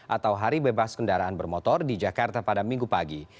atau hari bebas kendaraan bermotor di jakarta pada minggu pagi